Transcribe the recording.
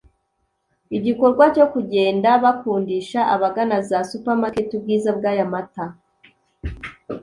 Igikorwa cyo kugenda bakundisha abagana za Supermarket ubwiza bw’aya mata